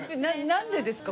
何でですか？